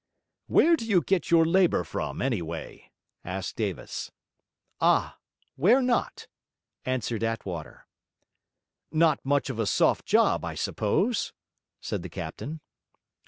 'Where do you get your labour from anyway?' asked Davis. 'Ah, where not?' answered Attwater. 'Not much of a soft job, I suppose?' said the captain.